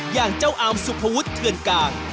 อย่างเจ้าอามสุภวุฒิเทือนกลาง